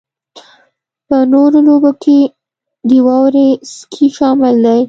په نورو لوبو کې د واورې سکی شامل دی